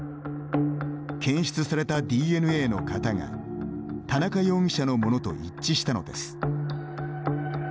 検出されたＤＮＡの型が田中容疑者のものと一致したのです。